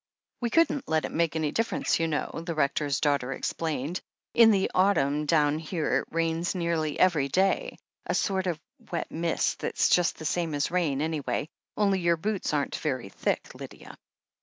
"We couldn't let it make any difference, you know," the Rector's daughter explained. "In the autumn down here it rains nearly every day — z sort of wet mist that's just the same as rain, anyway. Only your boots aren't very thick, Lydia."